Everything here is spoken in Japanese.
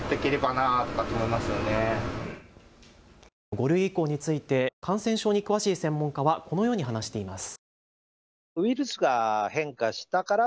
５類移行について感染症に詳しい専門家はこのように話しています。